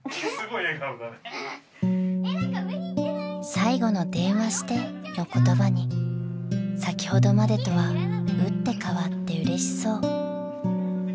［最後の「電話して」の言葉に先ほどまでとは打って変わってうれしそう］